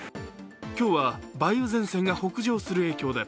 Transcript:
今日は梅雨前線が北上する影響で